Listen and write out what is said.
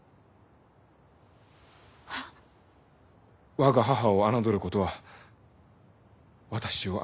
我が母を侮ることは私を侮ること。